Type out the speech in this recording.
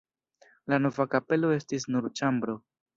La nova kapelo estis nur ĉambro.